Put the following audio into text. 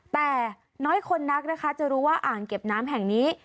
แต่น้อยคนนักนะคะจะรู้ว่าอ่างเก็บน้ำแห่งนี้